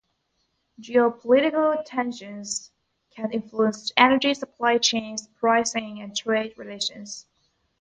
Geopolitical tensions can influence energy supply chains, pricing, and trade relations.